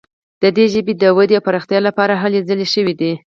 د دې ژبې د ودې او پراختیا لپاره هلې ځلې شوي دي.